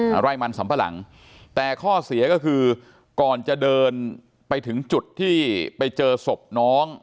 อะไรมันสำปะหลังแต่ข้อเสียก็คือก่อนจะเดินไปถึงจุดที่ไปเจอศพน้อง